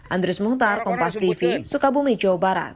andri smuhtar kompas tv sukabumi jawa barat